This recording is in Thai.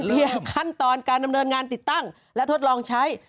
เรียกขั้นตอนการดำเนินงานติดตั้งและทดลองใช้